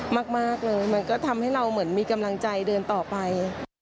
มากเลยมันก็ทำให้เราเหมือนมีกำลังใจเดินต่อไป